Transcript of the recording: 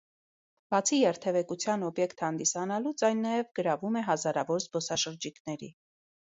Բացի երթևեկության օբյեկտ հանդիսանալուց, այն նաև գրավում է հազարավոր զբոսաշրջիկների։